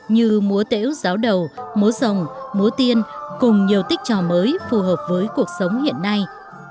như múa tễu giáo đầu múa rồng múa tiên cùng nhiều tích trò mới phù hợp với cuộc sống hiện nay